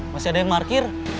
masih ada yang parkir